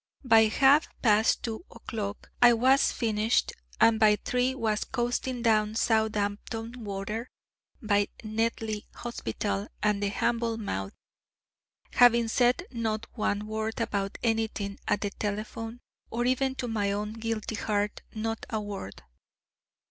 By half past two o'clock I was finished, and by three was coasting down Southampton Water by Netley Hospital and the Hamble mouth, having said not one word about anything at the telephone, or even to my own guilty heart not a word.